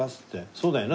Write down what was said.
そうだよな？